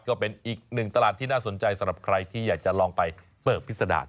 ก็เป็นอีกหนึ่งตลาดที่น่าสนใจสำหรับใครที่อยากจะลองไปเปิบพิษดาร